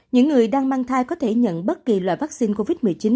những người đang mang thai có thể nhận bất kỳ loại vaccine covid một mươi chín